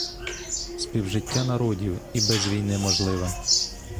Співжиття народів і без війни можливе.